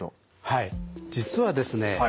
はい実はですね